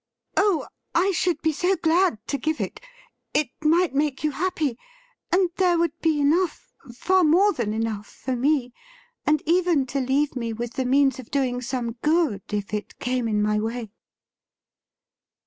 Oh, I should be so glad to give it ! It might make you happy ; and thei e would be enough — far more than enough — ^for me; and even to leave me with the means of doing some good if it came in my way.'